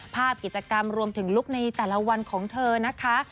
ภาพกิจกรรมรวมถึงลุคในแต่ละวันของเธอนะคะ